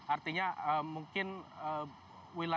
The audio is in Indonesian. artinya mungkin wilayah